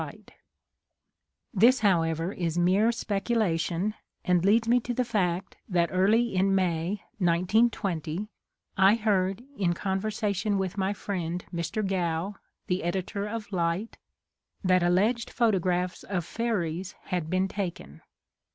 14 HOW THE MATTER AROSE This, however, is mere speculation and leads me to the fact that early in May 1920 I heard, in conversation with my friend Mr. Gow, the Editor of LigJit, that alleged photo graphs of fairies had been taken.